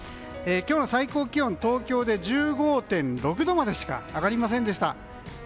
今日の最高気温は東京で１５．６度までしか上がりませんでした。